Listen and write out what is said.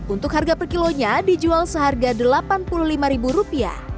untuk harga per kilonya dijual seharga rp delapan puluh lima